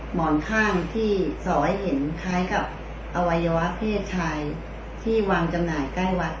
หมอนข้างที่สอให้เห็นคล้ายกับอวัยวะเพศชายที่วางจำหน่ายใกล้วัด